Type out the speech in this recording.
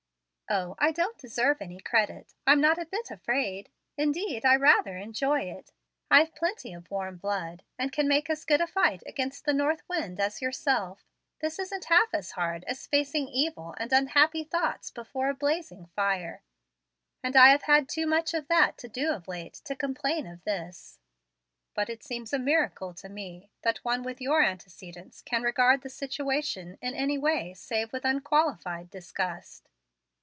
"O, I don't deserve any credit. I'm not a bit afraid. Indeed, I rather enjoy it. I've plenty of warm blood, and can make as good a fight against the north wind as yourself. This isn't half as hard as facing evil and unhappy thoughts before a blazing fire, and I have had too much of that to do of late to complain of this." "But it seems a miracle to me that one with your antecedents can regard the situation in any way save with unqualified disgust."